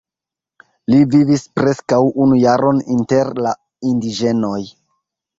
Li vivis preskaŭ unu jaron inter la indiĝenoj.